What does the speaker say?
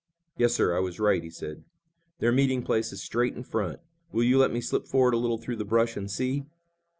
"Yes, sir, I was right," he said. "Their meeting place is straight in front. Will you let me slip forward a little through the brush and see?"